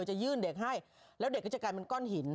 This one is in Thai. จะยื่นเด็กให้แล้วเด็กก็จะกลายเป็นก้อนหิน